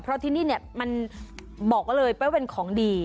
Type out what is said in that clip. เพราะที่นี่เนี่ยมันเหมาะเลยเป็นของดี